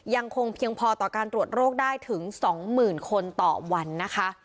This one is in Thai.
ยังคงเพียงพอต่อการตรวจโรคได้ถึง๒๐๐๐คนต่อวันนะคะ